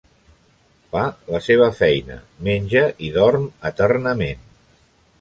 Fa la seva feina, menja i dorm eternament!